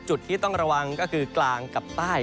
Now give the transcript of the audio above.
จุดที่ต้องระวังก็คือกลางกับใต้